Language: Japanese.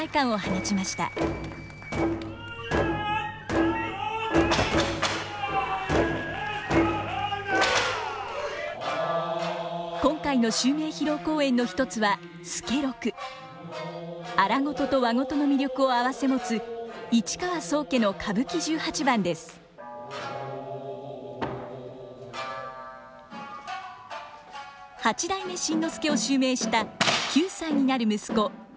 八代目新之助を襲名した９歳になる息子勸玄さん。